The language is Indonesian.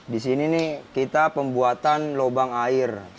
di sini nih kita pembuatan lubang air